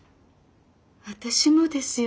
私もですよ。